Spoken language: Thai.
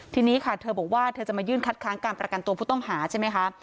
ทีนี้ค่ะเธอบอกว่าเธอจะมายื่นคัดค้างการประกันตัวผู้ต้องหาใช่ไหมคะ